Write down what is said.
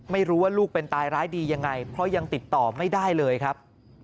ไม่รู้ว่าลูกเป็นตายร้ายดียังไงเพราะยังติดต่อไม่ได้เลยครับ